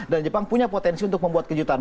dan jepang punya potensi untuk membuat kejutan